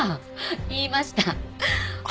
言いました。